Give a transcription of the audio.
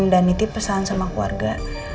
dan nity pesan sama keluarga